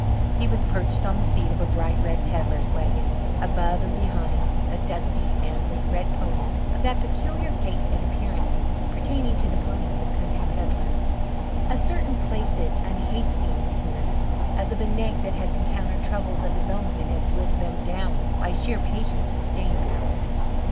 He was perched on the seat of a bright red pedlar's wagon, above and behind a dusty, ambling, red pony of that peculiar gait and appearance pertaining to the ponies of country pedlars a certain placid, unhasting leanness, as of a nag that has encountered troubles of his own and has lived them down by sheer patience and staying power.